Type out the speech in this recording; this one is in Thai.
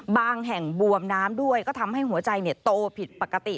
บางแห่งบวมน้ำด้วยก็ทำให้หัวใจโตผิดปกติ